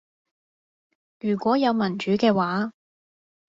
如果有民主嘅話